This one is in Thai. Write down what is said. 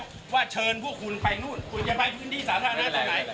เพราะว่าเชิญพวกคุณไปนู่นคุณจะไปพื้นที่สาธารณะตรงไหน